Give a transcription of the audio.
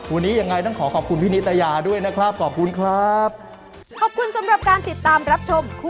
วันนี้อย่างไรต้องขอขอบคุณพี่นิตยาด้วยนะครับ